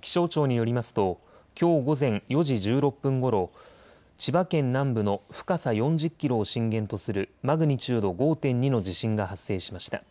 気象庁によりますときょう午前４時１６分ごろ、千葉県南部の深さ４０キロを震源とするマグニチュード５．２の地震が発生しました。